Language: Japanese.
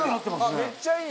めっちゃいい！